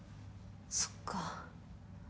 そっか。